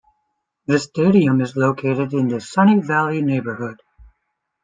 The stadium is located in the Sun Valley neighborhood.